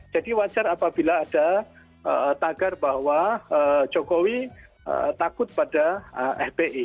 jadi wajar apabila ada tagar bahwa jokowi takut pada fpi